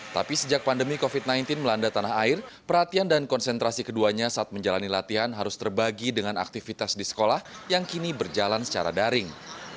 tapi sejak pandemi covid sembilan belas melanda tanah air perhatian dan konsentrasi keduanya saat menjalani latihan harus terbagi dengan aktivitas di sekolah yang kini berjalan secara daring